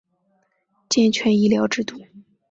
健全医疗制度